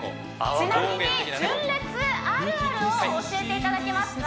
ちなみに純烈あるあるを教えていただけますか？